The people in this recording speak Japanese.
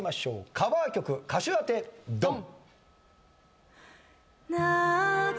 カバー曲歌手当てドン！